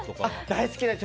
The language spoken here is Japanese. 大好きなんです。